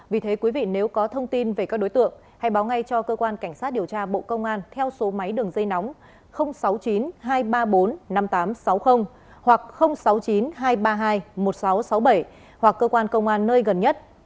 vì thế quý vị nếu có thông tin về các đối tượng hãy báo ngay cho cơ quan cảnh sát điều tra bộ công an theo số máy đường dây nóng sáu mươi chín hai trăm ba mươi bốn năm nghìn tám trăm sáu mươi hoặc sáu mươi chín hai trăm ba mươi hai một nghìn sáu trăm sáu mươi bảy hoặc cơ quan công an nơi gần nhất